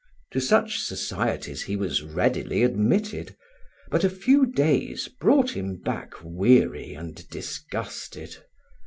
To such societies he was readily admitted, but a few days brought him back weary and disgusted.